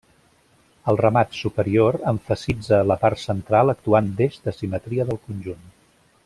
El remat superior emfasitza la part central actuant d'eix de simetria del conjunt.